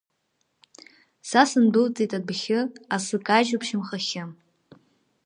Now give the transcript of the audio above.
Са сындәылҵит адәахьы, асы кажьуп шьамхахьы.